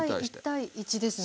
１：１：１ですね。